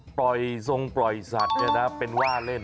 ปล่อยทรงปล่อยสาธารณะเป็นว่าเล่น